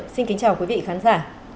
xin kính chào quý vị khán giả